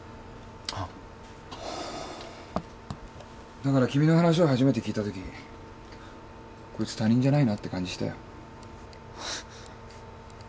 だから君の話を初めて聞いたときこいつ他人じゃないなって感じしたよ。